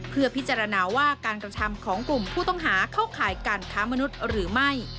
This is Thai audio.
เพื่อพิจารณาว่าการกระทำของกลุ่มผู้ต้องหาเข้าข่ายการค้ามนุษย์หรือไม่